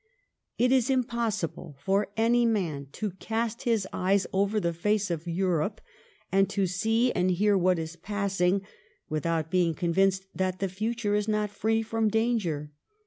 It is impossible for any man to cast his eyes over the face of Europe, and to see and hear what is passing, without being conyinced that the future is not free from danger.